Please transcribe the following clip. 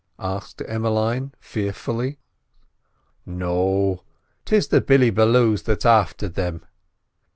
asked Emmeline fearfully. "No; 'tis the Billy balloos that's afther thim.